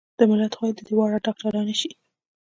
د ملت خويندې دې واړه ډاکترانې شي